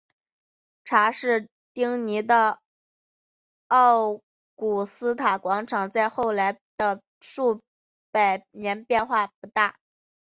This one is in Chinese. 查士丁尼的奥古斯塔广场在后来的数百年中变化不大。